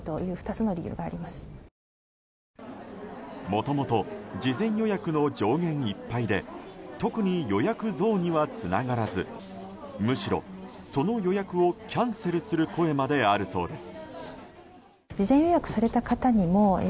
もともと事前予約の上限いっぱいで特に予約増にはつながらずむしろ、その予約をキャンセルする声まであるそうです。